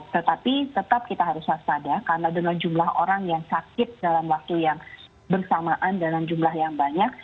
tetapi tetap kita harus waspada karena dengan jumlah orang yang sakit dalam waktu yang bersamaan dalam jumlah yang banyak